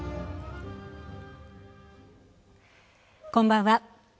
こんばんは。